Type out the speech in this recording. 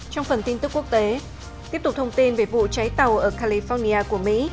trong phần tin tức quốc tế tiếp tục thông tin về vụ cháy tàu ở california của mỹ